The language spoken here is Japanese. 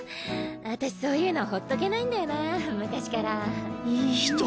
私そういうのほっとけないんだよな昔から。